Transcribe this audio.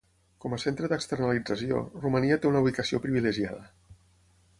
Com a centre d'externalització, Romania té una ubicació privilegiada.